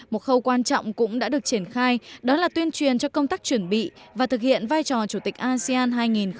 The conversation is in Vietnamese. một khâu quan trọng cũng đã được triển khai đó là tuyên truyền cho công tác chuẩn bị và thực hiện vai trò chủ tịch asean hai nghìn hai mươi